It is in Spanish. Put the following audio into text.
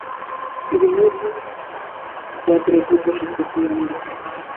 Divididos en dos grupos de cinco y cuatro equipos respectivamente.